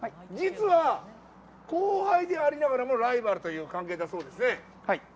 実は後輩でありながらもライバルという関係だそうですね。